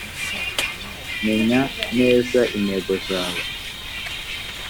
menya neza intego zawe